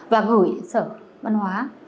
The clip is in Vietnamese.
và gửi sở văn hóa